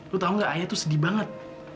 lo tau gak ayah tuh sedih banget